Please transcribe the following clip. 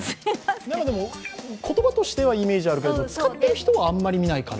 でも言葉としてはイメージあるけれども、使ってる人をあんまり見ないかな。